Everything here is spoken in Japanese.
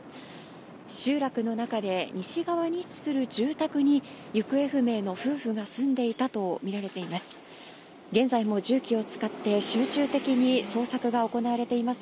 集落の中で西側に位置する住宅に、行方不明の夫婦が住んでいたと見られています。